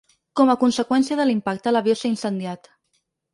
Com a conseqüència de l’impacte l’avió s’ha incendiat.